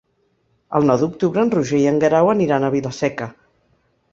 El nou d'octubre en Roger i en Guerau aniran a Vila-seca.